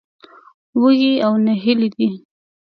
وږي او نهيلي دي.